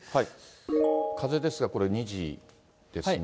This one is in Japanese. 風ですが、これ、２時ですね。